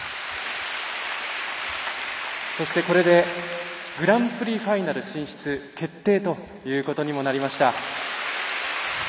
そして、これでグランプリファイナル進出決定ということにもなりました。